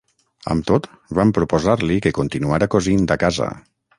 Amb tot, van proposar-li que continuara cosint a casa.